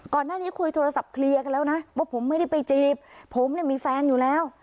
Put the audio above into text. ก่อนหน้านี้คุยโทรศัพท์เคลียร์กันแล้วนะว่าผมไม่ได้ไปจีบผมเนี่ยมีแฟนอยู่แล้ว